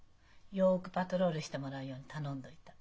よくパトロールしてもらうように頼んどいた。